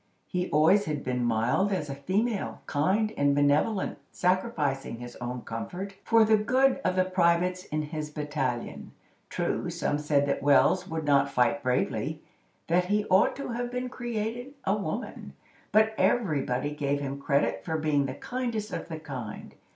He always had been mild as a female, kind and benevolent—sacrificing his own comfort for the good of the privates in his battalion. True, some said that Wells would not fight bravely—that he ought to have been created a woman; but everybody gave him credit for being the kindest of the kind.